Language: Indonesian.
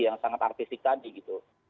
yang sangat artistik tadi gitu